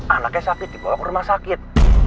anaknya sakit dibawa ke rumah sakit